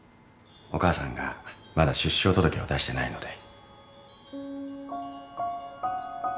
お母さんがまだ出生届を出してないので。